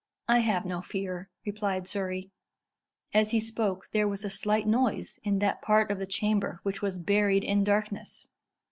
"I have no fear," replied Surrey. As he spoke, there was a slight noise in that part of the chamber which was buried in darkness.